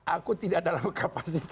aku tidak dalam kapasitas